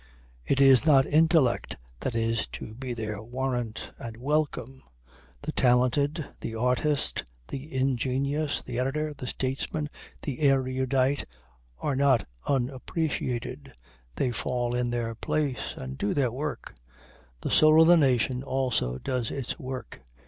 It is not intellect that is to be their warrant and welcome. The talented, the artist, the ingenious, the editor, the statesman, the erudite, are not unappreciated they fall in their place and do their work. The soul of the nation also does its work.